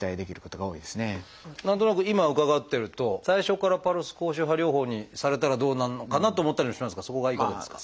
何となく今伺ってると最初からパルス高周波療法にされたらどうなのかなと思ったりもしますがそこはいかがですか？